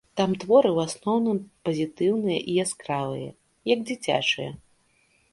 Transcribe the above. Там творы ў асноўным пазітыўныя і яскравыя, як дзіцячыя.